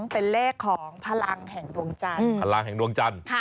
๒เป็นเลขของพลังแห่งดวงจันทร์